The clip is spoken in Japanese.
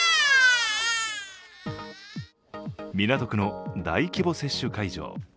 港区の大規模接種会場。